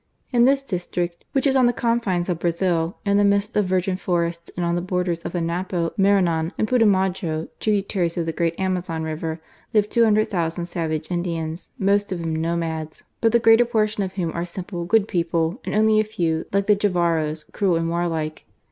In this district, which is on the confines of Brazil,, in the midst of virgin forests, and on the borders of the Napo, Maranon, and Putumajo, tributaries of the great Amazon River, live 200,000 savage Indians, most of them nomads, but the greater portion of whom are simple, good people, and only a few, like the Jivaros, cruel and warlike.